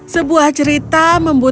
sebuah cerita membunuhku